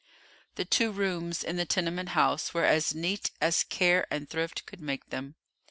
The two rooms in the tenement house were as neat as care and thrift could make them.